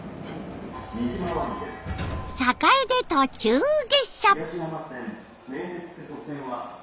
栄で途中下車。